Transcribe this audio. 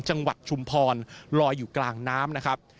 ชุมพรลอยอยู่กลางน้ำนะครับ